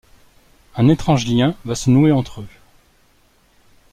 Un étrange lien va se nouer entre eux.